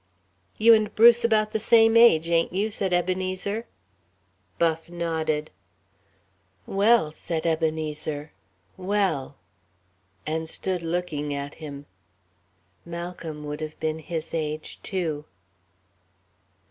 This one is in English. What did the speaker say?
"You and Bruce about the same age, ain't you?" said Ebenezer. Buff nodded. "Well," said Ebenezer, "well...." and stood looking at him. Malcolm would have been his age, too.